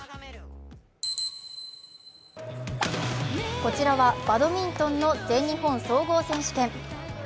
こちらはバドミントンの全日本総合選手権。